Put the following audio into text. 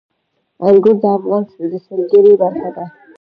انګور د افغانستان د سیلګرۍ برخه ده.